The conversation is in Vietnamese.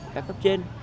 các cấp trên